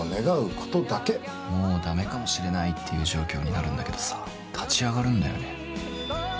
もうだめかもしれないっていう状況になるんだけどさ立ち上がるんだよね。